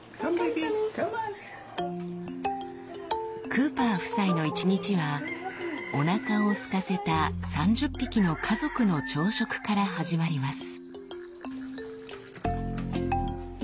・クーパー夫妻の一日はおなかをすかせた３０匹の家族の朝食から始まります。